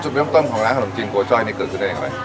เริ่มต้นของร้านขนมจีนโกจ้อยนี่เกิดขึ้นได้อย่างไร